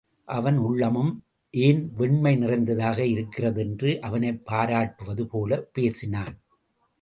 அவன் உள்ளமும் ஏன் வெண்மை நிறைந்ததாக இருக்கிறது என்று அவனைப் பாராட்டுவது போலப் பேசினான்.